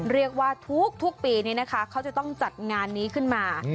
เรียกว่าทุกปีนี้นะคะเขาจะต้องจัดงานนี้ขึ้นมา